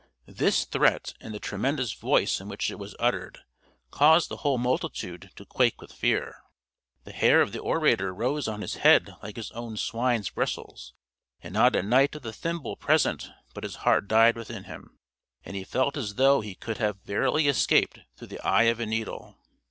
This threat and the tremendous voice in which it was uttered, caused the whole multitude to quake with fear. The hair of the orator rose on his head like his own swine's bristles; and not a knight of the thimble present but his heart died within him, and he felt as though he could have verily escaped through the eye of a needle.